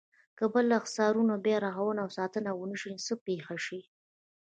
که د بالا حصارونو بیا رغونه او ساتنه ونشي څه به پېښ شي.